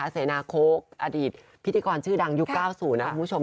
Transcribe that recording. เสนาโค้กอดีตพิธีกรชื่อดังยุค๙๐นะคุณผู้ชม